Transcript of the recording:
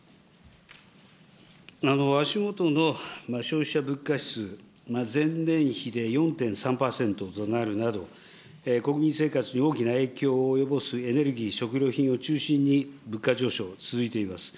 足下の消費者物価指数、前年比で４．３％となるなど、国民生活に大きな影響を及ぼすエネルギー、食料品を中心に物価上昇続いています。